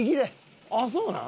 あっそうなん？